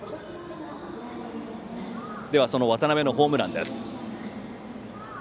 その渡辺のホームランです。